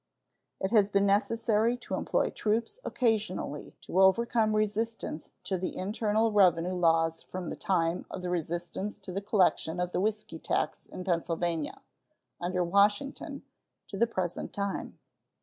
It has been necessary to employ troops occasionally to overcome resistance to the internal revenue laws from the time of the resistance to the collection of the whisky tax in Pennsylvania, under Washington, to the present time.